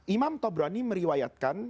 imam tabrani meriwayatkan